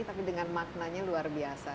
tapi dengan maknanya luar biasa